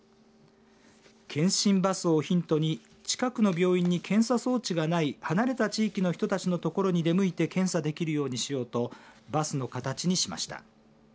検診バスをヒントに近くの病院に検査装置がない離れた地域の人たちの所に出向いて検査できるようにしようとバスの形にしました。